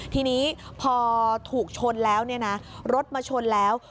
ทีนี้พอถูกชนแล้วรถมาชนแล้ว